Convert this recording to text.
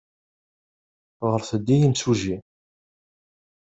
Ɣret-d i yimsujji.